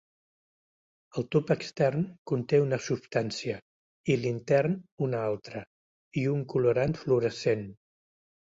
El tub extern conté una substància i l'intern una altra i un colorant fluorescent.